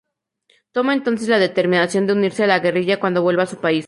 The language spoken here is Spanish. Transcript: Toma entonces la determinación de unirse a la guerrilla cuando vuelva a su país.